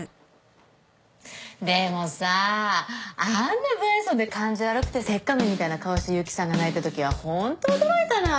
でもさぁあんな無愛想で感じ悪くて鉄仮面みたいな顔した悠木さんが泣いたときはホント驚いたなぁ。